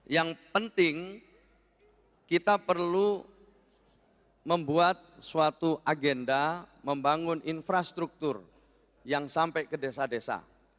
yang penting kita perlu membuat suatu agenda membangun infrastruktur yang sampai ke desa desa